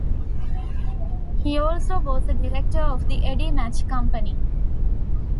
He also was a director of the Eddy Match Company.